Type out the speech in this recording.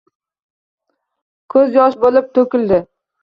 Ko’z yosh bo’lib to’kildi.